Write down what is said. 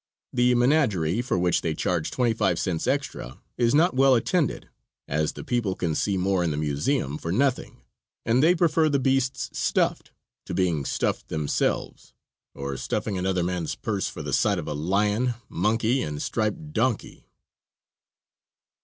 The menagerie, for which they charge twenty five cents extra, is not well attended, as the people can see more in the museum for nothing, and they prefer the beasts stuffed, to being stuffed themselves or stuffing another man's purse for the sight of a lion, monkey and striped donkey.